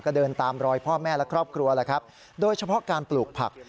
ก็เดินตามรอยพ่อแม่และครอบครัวแล้วครับโดยเฉพาะการปลูกผัก